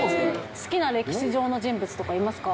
好きな歴史上の人物とかいますか。